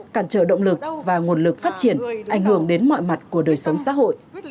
cản trở động lực và nguồn lực phát triển ảnh hưởng đến mọi mặt của đời sống xã hội